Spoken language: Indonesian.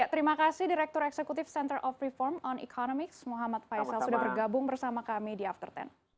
terima kasih direktur eksekutif center of reform on economics muhammad faisal sudah bergabung bersama kami di after sepuluh